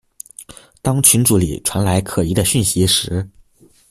當群組裡傳來可疑的訊息時